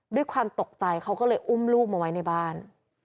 ด้วยความตกใจเขาก็เลยอุ้มลูกมาไว้ในบ้าน